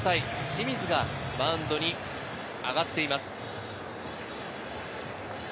清水がマウンドに上がっています。